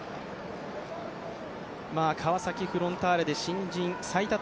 川崎フロンターレで新人最多